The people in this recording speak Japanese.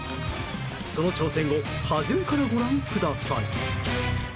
その挑戦を初めからご覧ください。